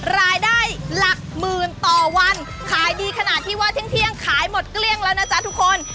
รายได้หลักหมื่นต่อวันขายดีขนาดที่ว่าเที่ยงขายหมดเกลี้ยงแล้วนะจ๊ะทุกคน